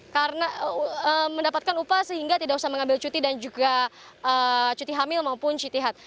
karena mendapatkan upah sehingga tidak usah mengambil cuti dan juga cuti hamil maupun cuti haid